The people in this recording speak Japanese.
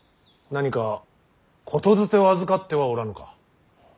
何か言づてを預かってはおらぬか。